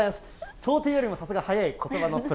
想定よりもさすが早い、ことばのプロ。